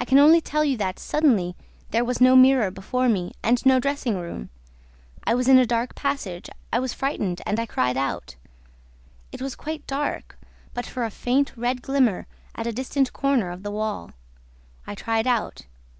I can only tell you that, suddenly, there was no mirror before me and no dressing room. I was in a dark passage, I was frightened and I cried out. It was quite dark, but for a faint red glimmer at a distant corner of the wall. I tried out.